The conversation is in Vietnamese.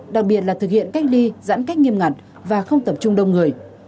đặc biệt là thực hiện cách ly giãn cách nghiêm ngặt và không tập trung đông người